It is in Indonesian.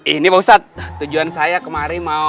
ini pausat tujuan saya kemari mau